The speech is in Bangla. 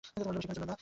বেশিক্ষণের জন্য নয়!